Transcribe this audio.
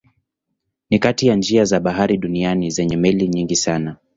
Ni kati ya njia za bahari duniani zenye meli nyingi sana.